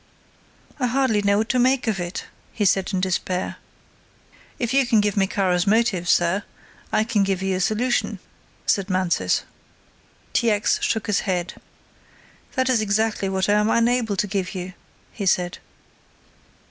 "I hardly know what to make of it," he said in despair. "If you can give me Kara's motive, sir, I can give you a solution," said Mansus. T. X. shook his head. "That is exactly what I am unable to give you," he said.